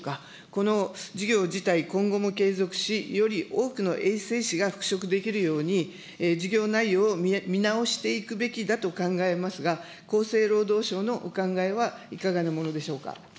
この事業自体、今後も継続し、より多くの衛生士が復職できるように、事業内容を見直していくべきだと考えますが、厚生労働省のお考えはいかがなものでしょうか。